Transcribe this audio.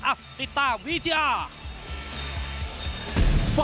อ่าติดตามวิทยา